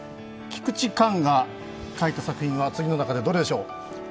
菊池寛が書いた作品は次の中でどれでしょう？